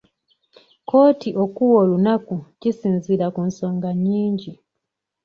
Kkooti okuwa olunaku kisinziira ku nsonga nnyingi.